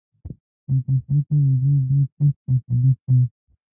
بې کفایته وزیر ډېر سخت مخالف وو.